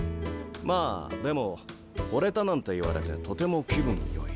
まあでもほれたなんて言われてとても気分よい。